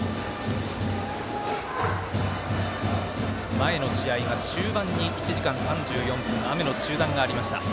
前の試合は、終盤に１時間３４分雨の中断がありました。